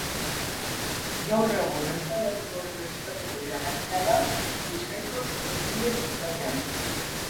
Gaur egun Euskal Herriko Unibertsitateko irakaslea da Bizkaiko Zuzenbide Fakultatean.